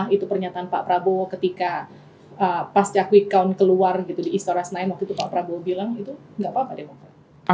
itu pernyataan pak prabowo ketika pasca quick count keluar gitu di istora senayan waktu itu pak prabowo bilang itu nggak apa apa demokrat